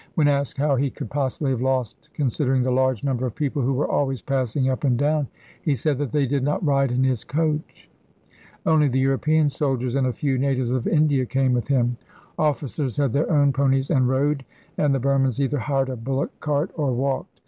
When asked how he could possibly have lost considering the large number of people who were always passing up and down, he said that they did not ride in his coach. Only the European soldiers and a few natives of India came with him. Officers had their own ponies and rode, and the Burmans either hired a bullock cart or walked.